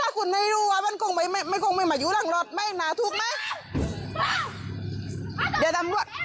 อ้าวไม่รู้อ่ะมันคงไม่มายู่หลังรอดให้หนาถูกไหม